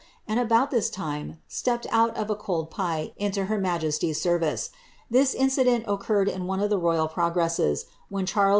ii about this time stepped out of a cold pie into her majesty"'s service. Tills incident occurred in one of the royal progresses, when Charles v.